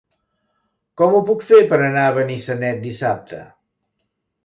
Com ho puc fer per anar a Benissanet dissabte?